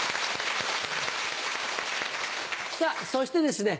さぁそしてですね